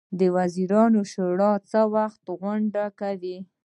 د وزیرانو شورا څه وخت غونډه کوي؟